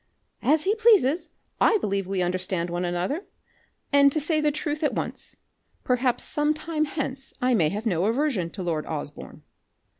"As he pleases. I believe we understand one another. And to say the truth at once, perhaps some time hence I may have no aversion to lord Osborne."